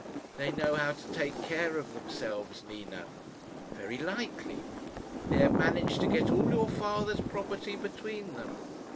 "They know how to take care of themselves, Nina." "Very likely." "They have managed to get all your father's property between them."